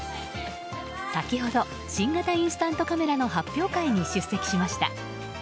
先ほど新型インスタントカメラの発表会に出席しました。